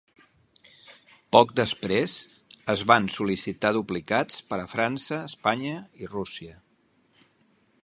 Poc després, es van sol·licitar duplicats per a França, Espanya i Rússia.